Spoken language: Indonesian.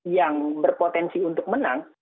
yang berpotensi untuk menang